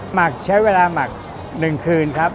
หมักใช้เวลาหมัก๑คืนครับ